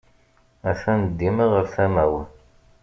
Atan dima ɣer tama-w.